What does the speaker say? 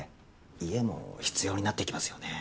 家も必要になっていきますよね？